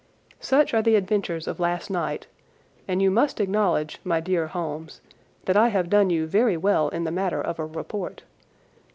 Such are the adventures of last night, and you must acknowledge, my dear Holmes, that I have done you very well in the matter of a report.